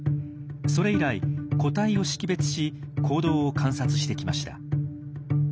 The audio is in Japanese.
それ以来個体を識別し行動を観察してきました。